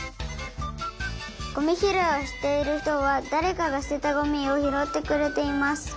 ゴミひろいをしているひとはだれかがすてたゴミをひろってくれています。